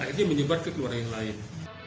ini menyebabkan kekeluargaan yang lain